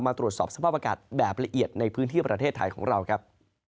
ตรวจสอบสภาพอากาศแบบละเอียดในพื้นที่ประเทศไทยของเราครับ